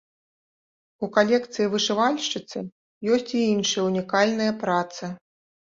У калекцыі вышывальшчыцы ёсць і іншыя унікальныя працы.